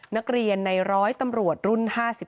นักเรียนในร้อยตำรวจรุ่น๕๓